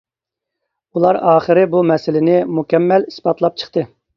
ئۇلار ئاخىرى بۇ مەسىلىنى مۇكەممەل ئىسپاتلاپ چىقتى.